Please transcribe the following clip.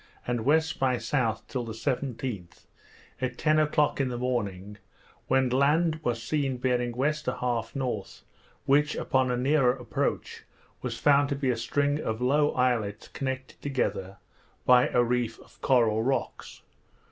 and W. by S. till the 17th, at ten o'clock in the morning, when land was seen bearing W. 1/2 N., which, upon a nearer approach, we found to be a string of low islets connected together by a reef of coral rocks.